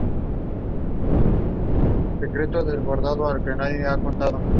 El gobierno británico pretendió establecer un acuerdo diplomático con el apoyo de los franceses.